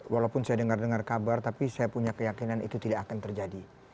walaupun saya dengar dengar kabar tapi saya punya keyakinan itu tidak akan terjadi